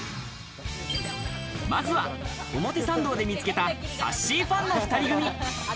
まずは表参道で見つけた、さっしーファンの２人組。